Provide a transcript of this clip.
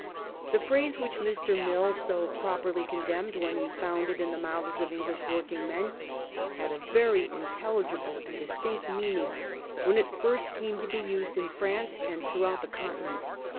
Tbe pbrase which Mr. Mill so properly condemned when he found it in the mouths of English working men had a very intelligible and distinct meaning when it first first came to be used in France and throughout the Continent.